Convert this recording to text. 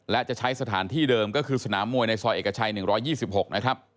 และจะใช้สถานที่เดิมก็คือสนามมวยในซอยเอกชัย๑๒๖นะครับ